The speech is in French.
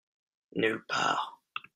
Nulle part.